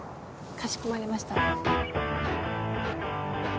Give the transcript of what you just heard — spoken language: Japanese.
かしこまりました。